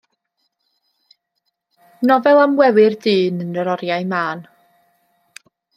Nofel am wewyr dyn yn yr oriau mân.